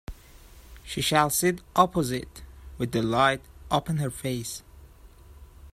She shall sit opposite, with the light upon her face.